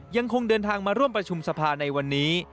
ยังคงเดินทางมาร่วมประชุมสภาในวันนี้